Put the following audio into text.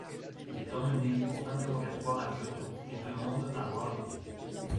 Il est emmené pour interrogatoire à Kyoto et demande à voir l'épée.